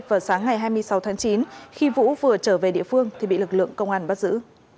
vào sáng ngày hai mươi sáu tháng chín khi vũ vừa trở về địa phương thì bị lực lượng công an bắt giữ